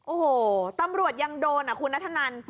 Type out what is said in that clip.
โอ้โหตำรวจยังโดนอ่ะคุณนัทธนัน